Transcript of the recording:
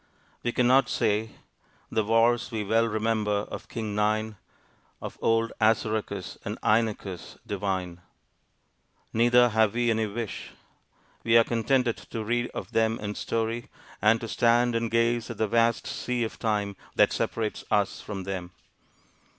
We cannot say, The wars we well remember of King Nine, Of old Assaracus and Inachus divine. Neither have we any wish: we are contented to read of them in story, and to stand and gaze at the vast sea of time that separates us from them.